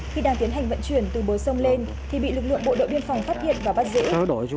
khi đang tiến hành vận chuyển từ bờ sông lên thì bị lực lượng bộ đội biên phòng phát hiện và bắt giữ